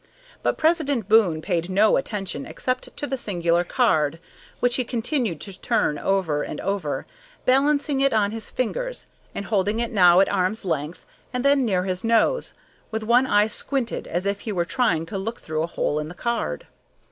But President Boon paid no attention except to the singular card, which he continued to turn over and over, balancing it on his fingers and holding it now at arm's length and then near his nose, with one eye squinted as if he were trying to look through a hole in the card.